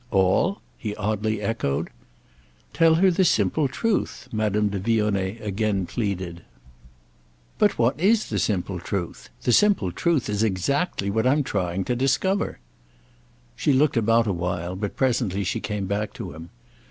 "All?" he oddly echoed. "Tell her the simple truth," Madame de Vionnet again pleaded. "But what is the simple truth? The simple truth is exactly what I'm trying to discover." She looked about a while, but presently she came back to him.